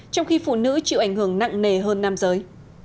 trong khi phụ nữ chịu ảnh hưởng nặng nề hơn nam giới